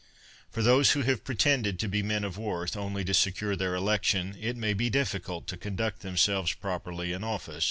For those who have pretended to be men of worth only to secure their election, it may be difficult to con » Delivered in 106 B.C.